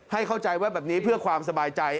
เข้าใจว่าแบบนี้เพื่อความสบายใจ